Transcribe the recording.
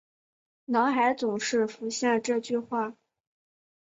脑海总是浮现这句话